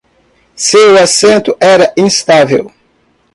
Seu assento era instável.